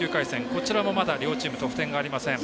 こちらも、まだ両チーム得点がありません。